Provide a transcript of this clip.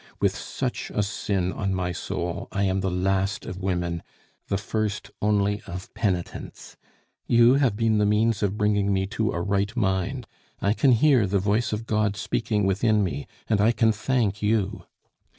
With such a sin on my soul, I am the last of women, the first only of penitents. You have been the means of bringing me to a right mind; I can hear the Voice of God speaking within me, and I can thank you!"